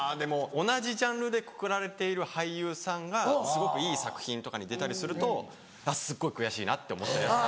同じジャンルでくくられている俳優さんがすごくいい作品とかに出たりするとすっごい悔しいなって思ったりはします。